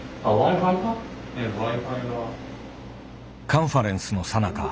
カンファレンスのさなか。